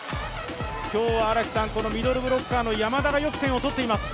今日はこのミドルブロッカーの山田がよく点を取っています。